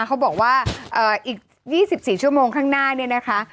เขาบอกว่าอีก๒๔ชั่วโมงข้างหน้าเนี่ยนะคะ